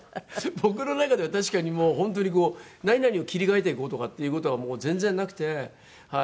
僕の中では確かにもう本当にこう何々を切り替えていこうとかっていう事は全然なくてはい。